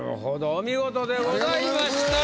お見事でございました。